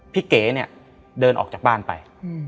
เก๋เนี่ยเดินออกจากบ้านไป